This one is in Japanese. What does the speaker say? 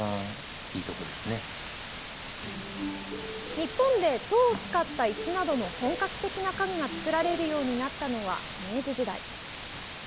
日本で籐を使ったいすなどの本格的な家具が作られるようになったのは明治時代。